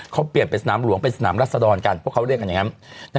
เขาเปลี่ยนเป็นสนามหลวงเป็นสนามรัศดรกันพวกเขาเรียกกันอย่างนั้น